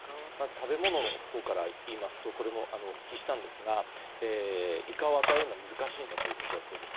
食べ物のほうから言いますとこれもお聞きしたんですがイカを与えるのは難しいということだそうです。